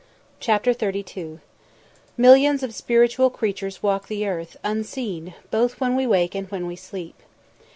CHAPTER XXXII "Millions of spiritual creatures walk the earth Unseen, both when we wake and when we sleep."